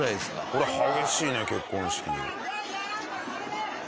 これ激しいね結婚式。